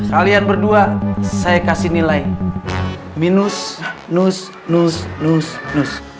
kalian berdua saya kasih nilai minus nus nus nus plus